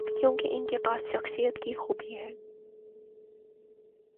کیونکہ ان کے پاس شخصیت کی خوبی ہے۔